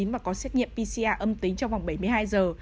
và có xét nghiệm pcr âm tính trong vòng bảy mươi hai giờ